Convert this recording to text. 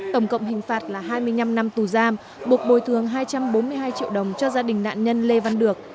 tổng cộng hình phạt là hai mươi năm năm tù giam buộc bồi thường hai trăm bốn mươi hai triệu đồng cho gia đình nạn nhân lê văn được